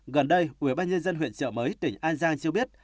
gần đây ubnd huyện trợ mới tỉnh an giang cho biết